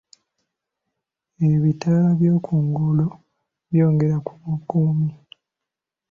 Ebitaala by'oku nguudo byongera ku bukuumi .